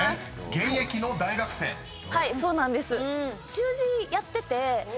［現役の大学生］はいそうなんです。